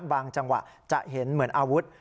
จังหวะจะเห็นเหมือนอาวุธ